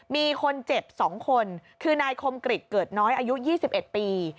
มีคนเจ็บ๒คนคือนายคมกริจเกิดน้อยอายุ๒๑ปี